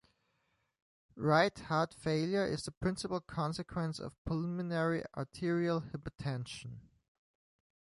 Right heart failure is the principal consequence of pulmonary arterial hypertension.